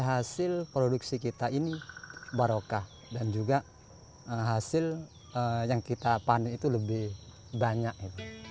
hasil produksi kita ini barokah dan juga hasil yang kita panik itu lebih banyak